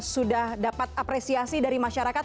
sudah dapat apresiasi dari masyarakat